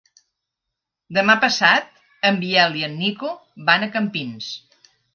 Demà passat en Biel i en Nico van a Campins.